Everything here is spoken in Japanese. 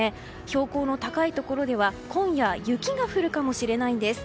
標高の高いところでは、今夜雪が降るかもしれないんです。